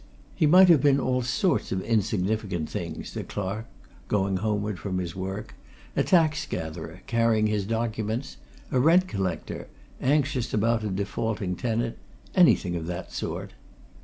He might have been all sorts of insignificant things: a clerk, going homeward from his work; a tax gatherer, carrying his documents; a rent collector, anxious about a defaulting tenant anything of that sort.